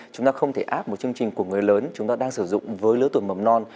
chúng ta không thể áp một chương trình của người lớn chúng ta đang sử dụng với lứa tuổi mầm non